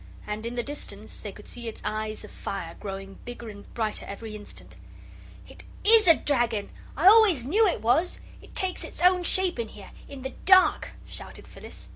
And, in the distance, they could see its eyes of fire growing bigger and brighter every instant. "It IS a dragon I always knew it was it takes its own shape in here, in the dark," shouted Phyllis.